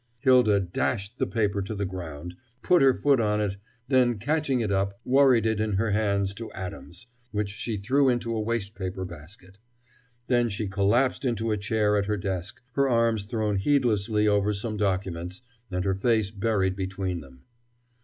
Hylda dashed the paper to the ground, put her foot on it, then catching it up, worried it in her hands to atoms which she threw into a waste paper basket. Then she collapsed into a chair at her desk, her arms thrown heedlessly over some documents, and her face buried between them.